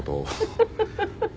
フフフフ。